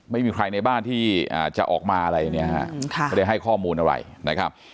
ไม่มีใครในบ้านที่จะออกมาอะไรเนี่ยฮะไม่ได้ให้ข้อมูลอะไรนะครับ